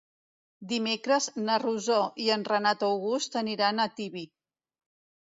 Dimecres na Rosó i en Renat August aniran a Tibi.